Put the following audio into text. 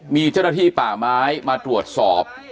มีเจ้าหน้าที่ป่าไม้มาตรวจสอบ